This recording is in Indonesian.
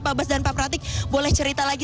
pak bes dan pak pratik boleh cerita lagi